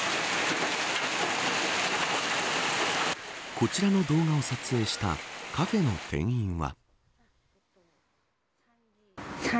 こちらの動画を撮影したカフェの店員は。